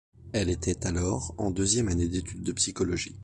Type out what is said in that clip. Elle était alors en deuxième année d’études de psychologie.